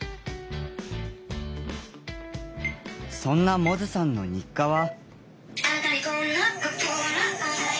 そんな百舌さんの日課は。